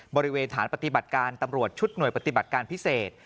บริเวณฐานปฏิบัติการตำรวจชุดหน่วยปฏิบัติการพิเศษ